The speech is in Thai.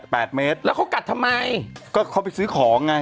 แปดเมตรแล้วเค้ากัดทำไมก็เพื่อนของไง